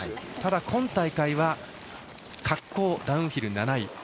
ただ今大会は滑降、ダウンヒル７位。